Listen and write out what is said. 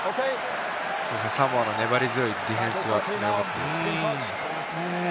サモアの粘り強いディフェンスが良かったですね。